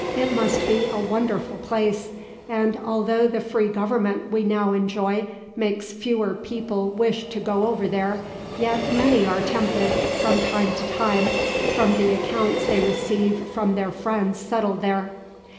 It must be a wonderful place, and although the free Government we now enjoy makes fewer people wish to go over there, yet many are tempted, from time to time, from the accounts they receive from their friends settled there."